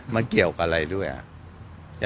มันเกี่ยวกับอะไรด้วยอ่ะ